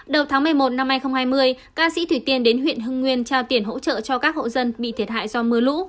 đầu tháng một mươi một năm hai nghìn hai mươi ca sĩ thủy tiên đến huyện hưng nguyên trao tiền hỗ trợ cho các hộ dân bị thiệt hại do mưa lũ